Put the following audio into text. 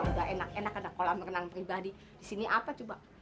udah enak enak ada kolam renang pribadi di sini apa coba